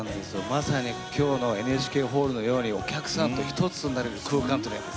まさに今日のＮＨＫホールのようにお客さんと一つになれる空間って最高ですね。